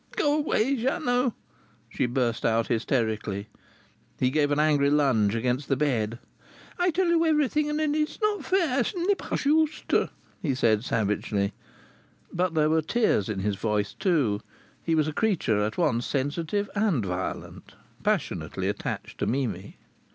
"Go away, Jeannot!" she burst out hysterically. He gave an angry lunge against the bed. "I tell you everything; and it's not fair. C'est pas juste!" he said savagely, but there were tears in his voice too. He was a creature at once sensitive and violent, passionately attached to Mimi.